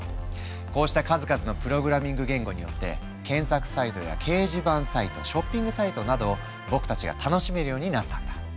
こうした数々のプログラミング言語によって検索サイトや掲示板サイトショッピングサイトなどを僕たちが楽しめるようになったんだ。